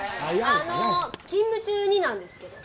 あの勤務中になんですけど。